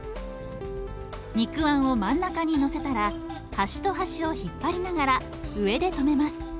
肉あんを真ん中にのせたら端と端を引っ張りながら上で留めます。